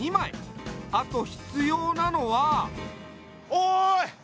おい！